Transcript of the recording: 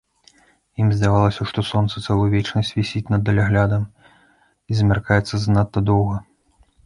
Ім здавалася, што сонца цэлую вечнасць вісіць над даляглядам і змяркаецца занадта доўга.